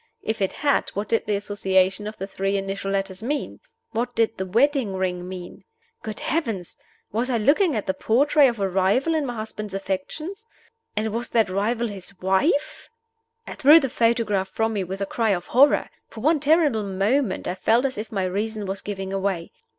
If it had, what did the association of the three initial letters mean? What did the wedding ring mean? Good Heavens! was I looking at the portrait of a rival in my husband's affections and was that rival his Wife? I threw the photograph from me with a cry of horror. For one terrible moment I felt as if my reason was giving way.